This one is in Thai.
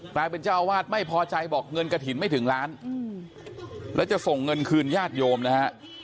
กลายเป็นเจ้าอาวาสไม่พอใจบอกเงินกระถิ่นไม่ถึงล้านแล้วจะส่งเงินคืนญาติโยมนะฮะ